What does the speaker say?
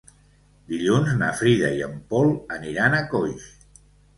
Dilluns na Frida i en Pol aniran a Coix.